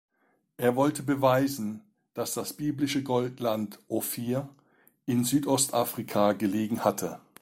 Er wollte beweisen, dass das biblische Goldland Ophir in Südostafrika gelegen hatte.